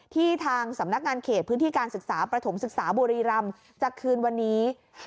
ทางสำนักงานเขตพื้นที่การศึกษาประถมศึกษาบุรีรำจะคืนวันนี้